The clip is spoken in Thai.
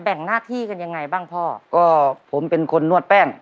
งหน้าที่กันยังไงบ้างพ่อก็ผมเป็นคนนวดแป้ง